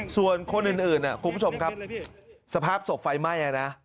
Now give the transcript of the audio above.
ส่วนคนอื่นคุณผู้ชมครับสภาพศพไฟไหม้นะ